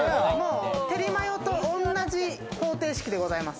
テリマヨとおんなじ方程式でございます。